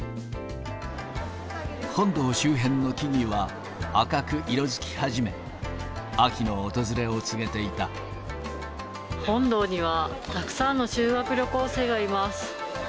本堂周辺の木々は赤く色づき始め、本堂にはたくさんの修学旅行生がいます。